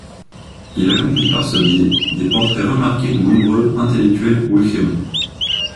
Il accomplit par ce biais des portraits remarqués de nombreux intellectuels ou écrivains.